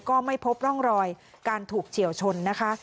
ก็ไม่พบร่องรอยการถูกเฉียวชนนะคะ